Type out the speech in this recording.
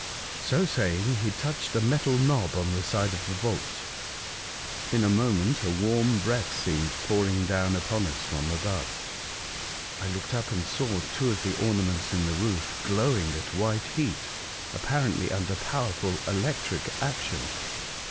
So saying, he touched a metal knob on the side of the vault. In a moment a warm breath seemed pouring down upon us from above. I looked up and saw two of the ornaments in the roof glowing at white heat, apparently under powerful electric action.